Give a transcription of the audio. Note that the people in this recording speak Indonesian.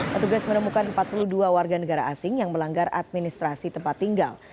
petugas menemukan empat puluh dua warga negara asing yang melanggar administrasi tempat tinggal